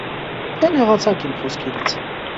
- Թե՞ նեղացաք իմ խոսքերից: